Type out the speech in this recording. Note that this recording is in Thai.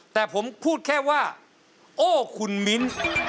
แต่ผมพูดแค่ว่าโอ้คุณมิ้น